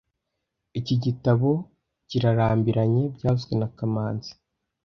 Iki gitabo kirarambiranye byavuzwe na kamanzi